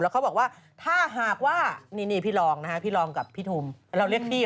แล้วเขาบอกว่าถ้าหากว่านี่พี่รองกับพี่ทุมเราเรียกพี่